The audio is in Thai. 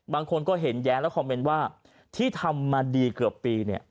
บางคนก็เห็นแย้งและคอมเมนต์ว่าที่ทำมาดีเกือบปีเนี่ย